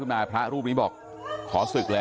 ฐานพระพุทธรูปทองคำ